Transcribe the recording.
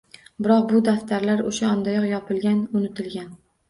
Biroq bu daftarlar o`sha ondayoq yopilgan, unutilgan